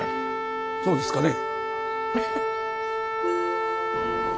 そうですかね。